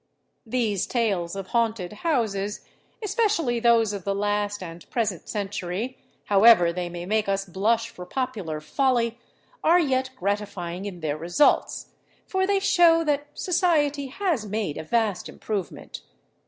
These tales of haunted houses, especially those of the last and present century, however they may make us blush for popular folly, are yet gratifying in their results; for they shew that society has made a vast improvement.